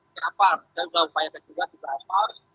kenapa saya sudah berupaya juga di atap